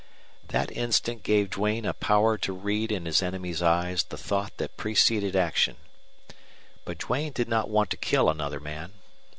That instant gave Duane a power to read in his enemy's eyes the thought that preceded action. But Duane did not want to kill another man.